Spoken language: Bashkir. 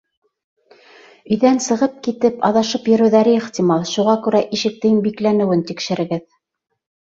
Өйҙән сығып китеп, аҙашып йөрөүҙәре ихтимал, шуға күрә ишектең бикләнеүен тикшерегеҙ.